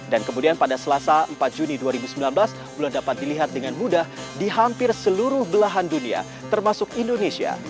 dan kemudian pada selasa empat juni dua ribu sembilan belas bulan dapat dilihat dengan mudah di hampir seluruh belahan dunia termasuk indonesia